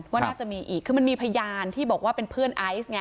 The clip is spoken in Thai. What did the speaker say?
ว่าน่าจะมีอีกคือมันมีพยานที่บอกว่าเป็นเพื่อนไอซ์ไง